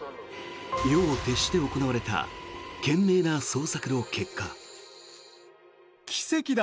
夜を徹して行われた懸命な捜索の結果。